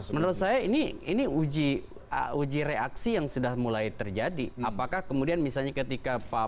menurut saya ini ini uji uji reaksi yang sudah mulai terjadi apakah kemudian misalnya ketika pak